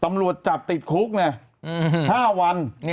ตำรวจจับติดคุก๕วัน